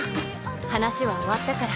話は終わったから。